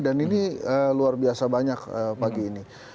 dan ini luar biasa banyak pagi ini